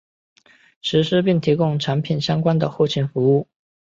实施并提供产品相关的后勤服务。